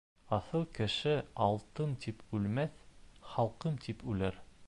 Аҫыл кеше алтын тип үлмәҫ, халҡым тип үлер.